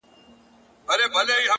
د دې لپاره چي ډېوه به یې راځي کلي ته؛